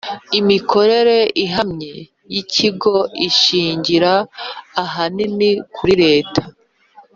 Imikorere ihamye y ikigo ishingira ahanini kuri leta